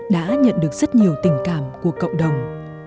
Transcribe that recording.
đã nhận được rất nhiều tình cảm của cộng đồng